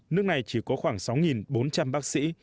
nước này chỉ có khoảng sáu bốn trăm linh bác sĩ